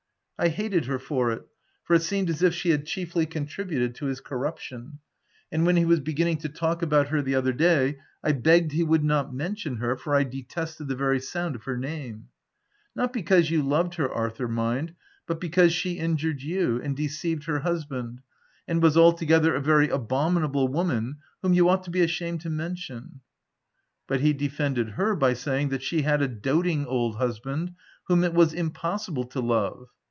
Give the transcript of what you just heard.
I hated her for it, for it seemed as if she had chiefly contributed to his corruption* and when he was beginning to talk about her the other day, I begged he would not mention her, for I detested the very sound of her name, " Not because you loved her, Arthur, mind but because she injured you, and deceived her husband, and was altogether a very abominable woman, whom you ought to be ashamed to mention. * But he defended her by saying that she had a doting old husband, whom it was impossible to love.